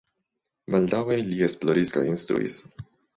Baldaŭe li esploris kaj instruis.